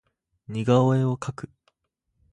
似顔絵を描く